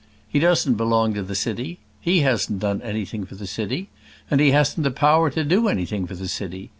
He doesn't belong to the city; he hasn't done anything for the city; and he hasn't the power to do anything for the city.